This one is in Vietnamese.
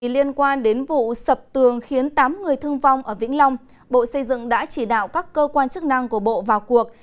liên quan đến vụ sập tường khiến tám người thương vong ở vĩnh long bộ xây dựng đã chỉ đạo các cơ quan chức năng của bộ vào cuộc